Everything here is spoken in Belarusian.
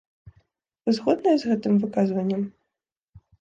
Вы згодныя з гэтым выказваннем?